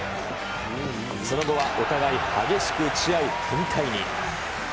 その後はお互い激しく打ち合う展開に。